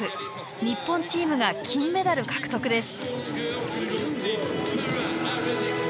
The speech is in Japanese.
日本チームが金メダル獲得です。